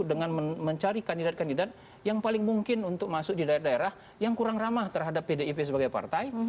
dengan mencari kandidat kandidat yang paling mungkin untuk masuk di daerah daerah yang kurang ramah terhadap pdip sebagai partai